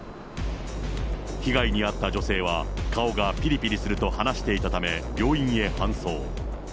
被害に遭った女性は、顔がぴりぴりすると話していたため、病院へ搬送。